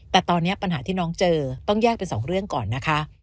แต่ตอนนี้ปัญหาที่น้องเจอต้องแยกเป็นสองเรื่องก่อนนะคะ